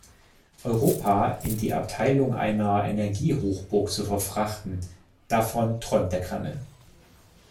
Europa in die Abteilung einer Energiehochburg zu verfrachten – davon träumt der Kreml.